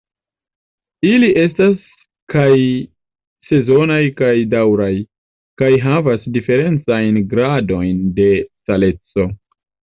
Ili estas kaj sezonaj kaj daŭraj, kaj havas diferencajn gradojn de saleco.